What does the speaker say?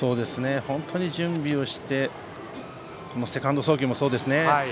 本当に準備をしてセカンド送球もそうですね。